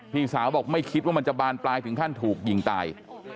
พี่สาวบอกไม่คิดว่ามันจะบานปลายถึงขั้นถูกยิงตาย